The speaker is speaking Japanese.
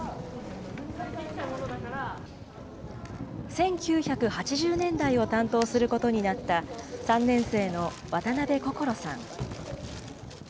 １９８０年代を担当することになった３年生の渡邊こころさん。